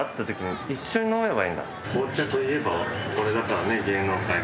紅茶といえば俺だからね芸能界で。